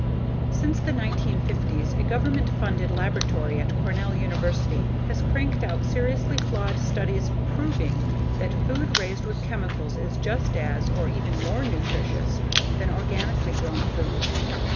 Since the 1950s a government funded laboratory at Cornell University has cranked out seriously flawed studies "proving" that food raised with chemicals is just as or even more nutritious than organically grown food.